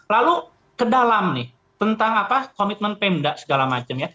lalu ke dalam nih tentang komitmen pemda segala macam ya